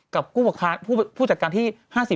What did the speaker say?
กับผู้จัดการที่๕๐